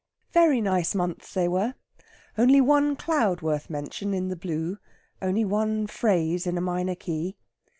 Very nice months they were only one cloud worth mention in the blue; only one phrase in a minor key.